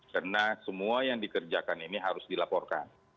karena semua yang dikerjakan ini harus dilaporkan